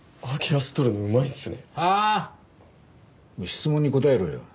質問に答えろよ。